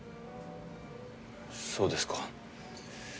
そうですか。